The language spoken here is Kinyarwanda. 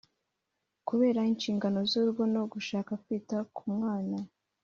Kubera inshingano z’urugo no gushaka kwita ku mwana